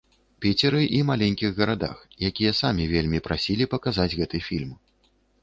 Піцеры і маленькіх гарадах, якія самі вельмі прасілі паказаць гэты фільм.